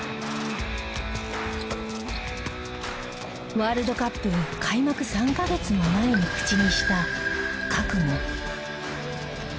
ワールドカップ開幕３カ月も前に口にした覚悟。